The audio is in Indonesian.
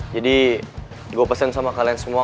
jadi gue pesen sama kalian semua